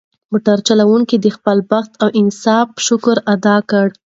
موټر چلونکي د خپل بخت او نصیب شکر ادا کړ.